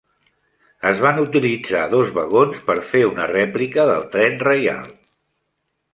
Es van utilitzar dos vagons per fer una rèplica del tren reial.